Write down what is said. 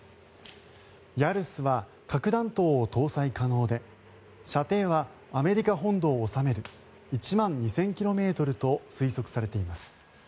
ヤルスは核弾頭を搭載可能で射程はアメリカ本土を収める１万２０００ｋｍと推測されています。